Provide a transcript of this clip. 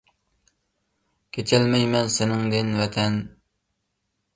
كېچەلمەيمەن سېنىڭدىن ۋەتەن!